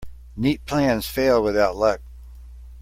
Neat plans fail without luck.